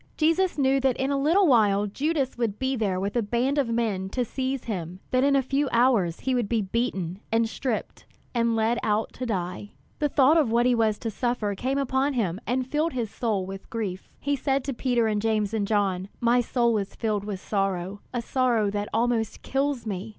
Jesus knew that in a little while Judas would be there with a band of men to seize him; that in a few hours he would be beaten, and stripped, and led out to die. The thought of what he was to suffer came upon him and filled his soul with grief. He said to Peter and James and John: "My soul is filled with sorrow, a sorrow that almost kills me.